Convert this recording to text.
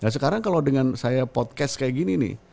nah sekarang kalau dengan saya podcast kaya gini nih